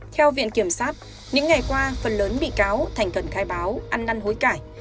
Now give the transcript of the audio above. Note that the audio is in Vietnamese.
theo viện kiểm sát những ngày qua phần lớn bị cáo thành cần khai báo ăn năn hối cải